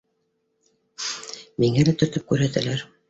Миңә лә төртөп күрһәтәләр